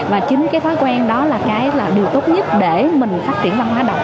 và chính cái thói quen đó là điều tốt nhất để mình phát triển văn hóa đọc